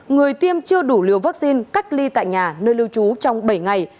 người tiêm chưa đủ liều vaccine cách ly tại nhà nơi lưu trú trong bảy ngày